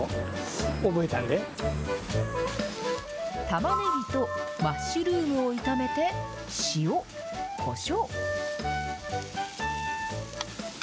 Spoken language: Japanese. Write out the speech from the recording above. たまねぎとマッシュルームを炒めて、塩、こしょう。